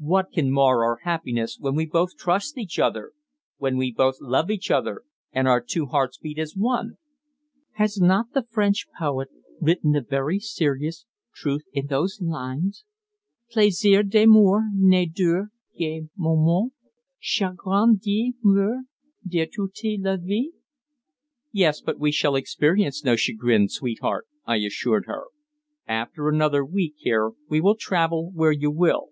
"What can mar our happiness when we both trust each other when we both love each other, and our two hearts beat as one?" "Has not the French poet written a very serious truth in those lines: 'Plaisir d'amour ne dure qu'un moment; chagrin d'amour dure toute la vie'?" "Yes, but we shall experience no chagrin, sweetheart," I assured her. "After another week here we will travel where you will.